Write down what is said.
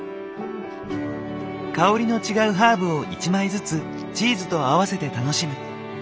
香りの違うハーブを１枚ずつチーズと合わせて楽しむ。